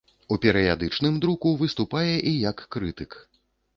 У перыядычным друку выступае і як крытык.